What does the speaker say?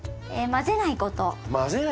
混ぜないこと。